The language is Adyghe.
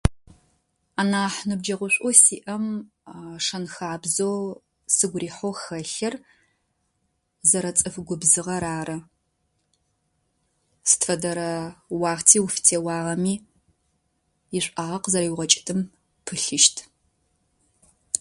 Анахь ныбджэгъушӏо сиӏэм шэнхабзо сыгу рихьэу хэлъыр зэрэ цӏыф губзыгъэр ары. Сыд фэдэрэ уахъти уфытеуагъэми ишӏуагъэ къызэриуигъэкӏытым пылъыщт.